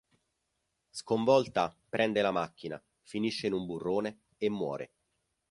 Sconvolta, prende la macchina, finisce in un burrone e muore.